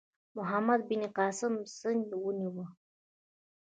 محمد بن قاسم سند ونیو.